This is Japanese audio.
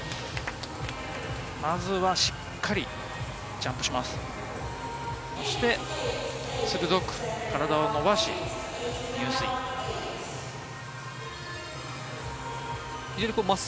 まずはしっかりジャンプします。